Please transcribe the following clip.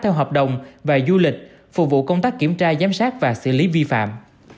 theo hợp đồng và du lịch phục vụ công tác kiểm tra giám sát và xử lý vi phạm